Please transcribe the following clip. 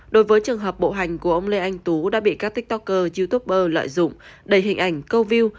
đối với trường hợp bộ hành của ông lê anh tú đã bị các tiktoker youtuber lợi dụng đầy hình ảnh câu view